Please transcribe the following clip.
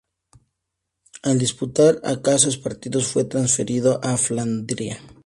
Al disputar escasos partidos, fue transferido a Flandria.